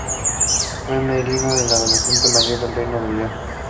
Fue merino del adelantado mayor del Reino de León.